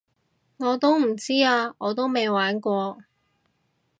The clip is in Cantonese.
我唔知啊我都未玩過